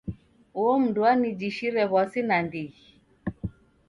Uo mndu wanijishire w'asi nandighi.